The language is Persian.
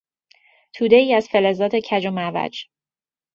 تودهای از فلزات کج و معوج